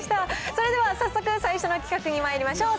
それでは早速、最初の企画にまいりましょう。